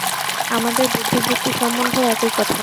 আমাদের বুদ্ধিবৃত্তি সম্বন্ধেও একই কথা।